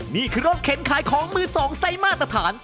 นี่คือรถเข็นขายของมือสองไซส์มาตรฐาน